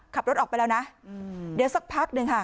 ขับรถออกไปแล้วนะเดี๋ยวสักพักหนึ่งค่ะ